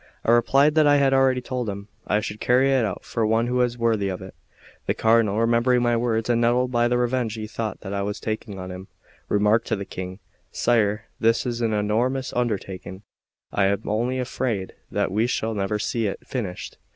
I replied that I had already told him I should carry it out for one who was worthy of it. The Cardinal, remembering my words, and nettled by the revenge he thought that I was taking on him, remarked to the King: "Sire, this is an enormous undertaking; I am only afraid that we shall never see it finished.